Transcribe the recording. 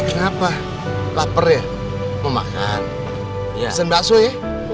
kenapa lapar ya mau makan ya sendasui